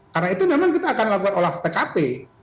karena itu memang kita akan melakukan olah tkp